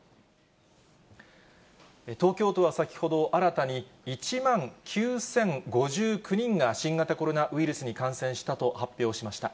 東京都は先ほど、新たに１万９０５９人が新型コロナウイルスに感染したと発表しました。